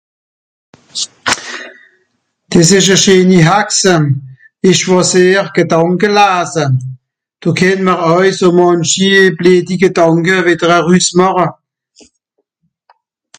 des esch a scheeni (Haxem) esch chwosiere gedànke laase do kennt'mr aw so mànchi bleedi gedànke wìder a rüss màche